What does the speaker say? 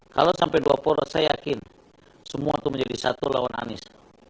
kalau sampai dua poros saya yakin semua itu menjadi satu lawan anies